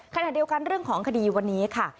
ขณะเดียวกันเรื่องของคดีวันนี้ค่ะ